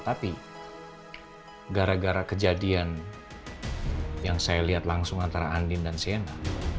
tapi gara gara kejadian yang saya lihat langsung antara andin dan siena